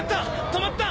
止まった！